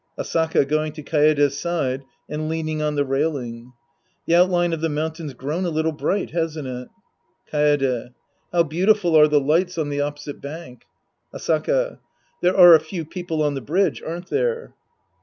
Asaka {going to Kaede's side and leaning on the railing). The outline of the mountain's grown a little bright, hasn't it ? Kaede. How beautiful are the lights on the oppo site bank ! Asaka. There are a {q\v people on tlie bridge, aren't there